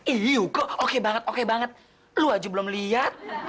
iu kok oke banget oke banget lu aja belum lihat